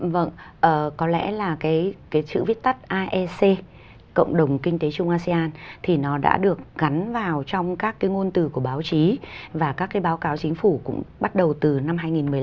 vâng có lẽ là cái chữ viết tắt aec cộng đồng kinh tế trung asean thì nó đã được gắn vào trong các cái ngôn từ của báo chí và các cái báo cáo chính phủ cũng bắt đầu từ năm hai nghìn một mươi năm